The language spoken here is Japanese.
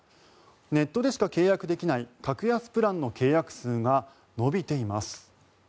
ネットでしか契約できない格安プランの契約数が伸びています。